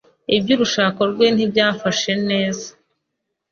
iby’urushako rwe ntibyifashe neza.